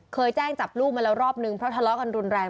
เคยแจ้งจับลูกมาแล้วรอบนึงเพราะทะเลาะกันรุนแรง